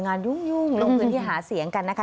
ยุ่งลงพื้นที่หาเสียงกันนะคะ